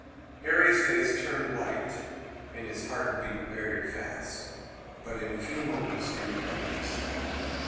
Harry's face turned white and his heart beat very fast, but in a few moments he recovered himself.